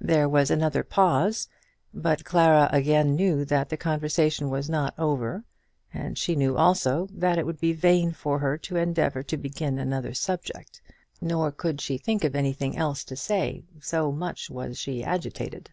There was another pause; but Clara again knew that the conversation was not over; and she knew also that it would be vain for her to endeavour to begin another subject. Nor could she think of anything else to say, so much was she agitated.